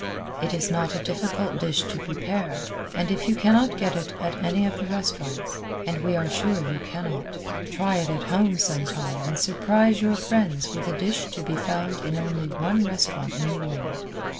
It is not a difficult dish to prepare, and if you cannot get it at any of the restaurants, and we are sure you cannot, try it at home some time and surprise your friends with a dish to be found in only one restaurant in the world.